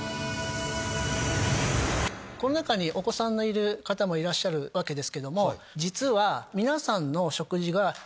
この中にお子さんのいる方もいらっしゃるわけですけども実は。